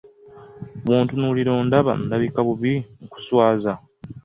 Bw'ontunuulira ondaba ndabika bubi nkuswaza?